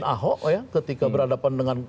ahok ketika berhadapan dengan